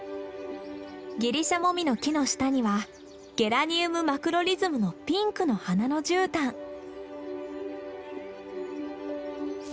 ギリシャモミの木の下にはゲラニウム・マクロリズムのピンクの花のじゅうたん。